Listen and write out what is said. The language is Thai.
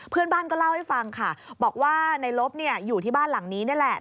เพื่อนบ้านก็เล่าให้ฟังค่ะบอกว่าในลบอยู่ที่บ้านหลังนี้นี่แหละ